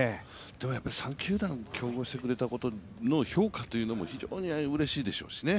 三球団競合してくれたことの評価というのも非常にうれしいでしょうしね。